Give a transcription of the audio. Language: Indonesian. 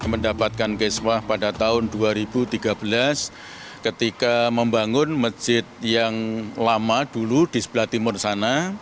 mendapatkan kiswah pada tahun dua ribu tiga belas ketika membangun masjid yang lama dulu di sebelah timur sana